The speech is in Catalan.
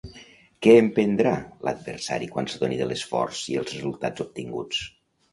Què emprendrà l'adversari quan s'adoni de l'esforç i els resultats obtinguts?